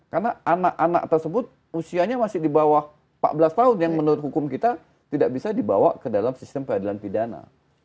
karena anak anak tersebut usianya masih di bawah empat belas tahun yang menurut hukum kita tidak bisa dibawa ke dalam sistem peradilan pidana